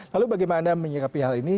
lalu bagaimana menyikapi hal ini